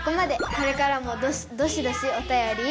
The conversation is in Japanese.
これからもどしどしおたより。